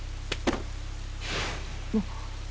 あっ。